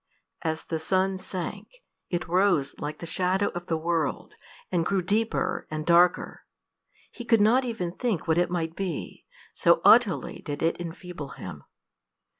As the sun sank, it rose like the shadow of the world, and grew deeper and darker. He could not even think what it might be, so utterly did it enfeeble him.